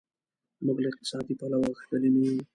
موږ له اقتصادي پلوه غښتلي نه یو.